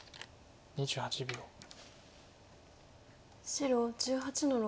白１８の六。